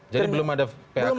jadi belum ada phk maksudnya